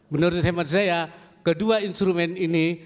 menurut hemat saya kedua instrumen ini